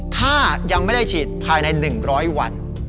ถ้ายังไม่ได้ฉีดภายใน๑๐๐วัน